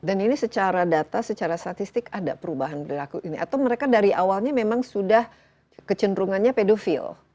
ini secara data secara statistik ada perubahan perilaku ini atau mereka dari awalnya memang sudah kecenderungannya pedofil